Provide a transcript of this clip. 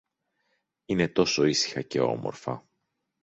Είναι τόσο ήσυχα και όμορφα!